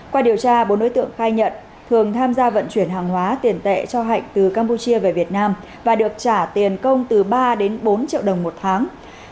qua điều tra bốn đối tượng khai nhận thường tham gia vận chuyển hàng hóa tiền tệ cho hạnh từ campuchia về việt nam và được trả tiền công từ ba đến bốn triệu đồng một tháng